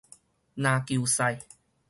籃球賽